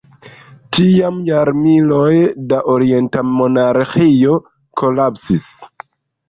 Tiam jarmiloj da orienta monarĥio kolapsis.